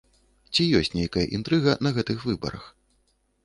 Ці ёсць нейкая інтрыга на гэтых выбарах?